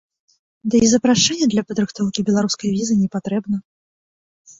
Ды і запрашэнне для падрыхтоўкі беларускай візы не патрэбна.